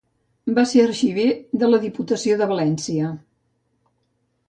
Va ser arxiver de la Diputació de València.